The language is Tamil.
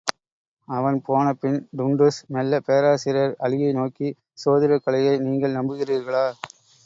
அவன் போன பின், டுன்டுஷ் மெல்லப் பேராசிரியர் அலியை நோக்கி, சோதிடக் கலையை நீங்கள் நம்புகிறீர்களா?